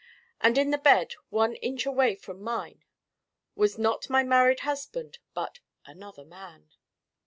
And in the bed one inch away from mine was not my married husband but 'another man.